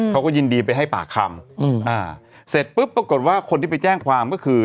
เขาก็ยินดีไปให้ปากคำอืมอ่าเสร็จปุ๊บปรากฏว่าคนที่ไปแจ้งความก็คือ